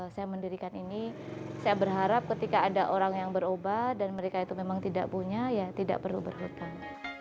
saya mendirikan ini saya berharap ketika ada orang yang berubah dan mereka itu memang tidak punya ya tidak perlu berhutang